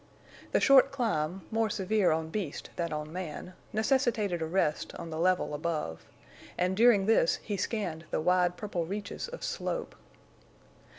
The short climb, more severe on beast than on man, necessitated a rest on the level above, and during this he scanned the wide purple reaches of slope.